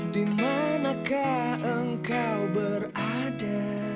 dimanakah engkau berada